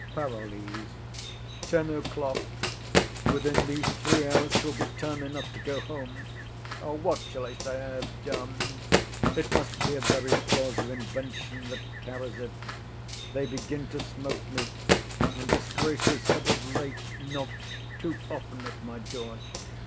PAROLLES. Ten o'clock. Within these three hours 'twill be time enough to go home. What shall I say I have done? It must be a very plausive invention that carries it. They begin to smoke me, and disgraces have of late knock'd too often at my door.